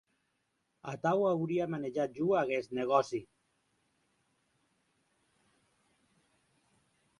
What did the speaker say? Atau auria manejat jo aguest negòci.